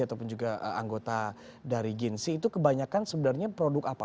ataupun juga anggota dari ginsi itu kebanyakan sebenarnya produk apa